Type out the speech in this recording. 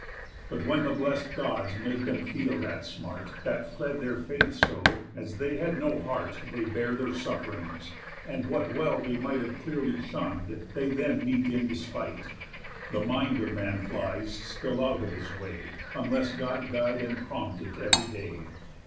_ But when the bless'd Gods make them feel that smart, That fled their faith so, as they had no heart They bear their suff'rings, and, what well they might Have clearly shunn'd, they then meet in despite. _The mind of man flies still out of his way, Unless God guide and prompt it ev'ry day.